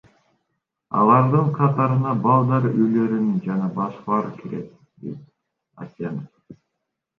Алардын катарына балдар үйлөрү жана башкалар кирет, – дейт Асенов.